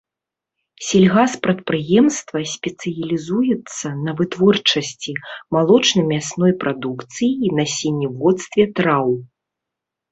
Сельгаспрадпрыемства спецыялізуецца на вытворчасці малочна-мясной прадукцыі і насенняводстве траў.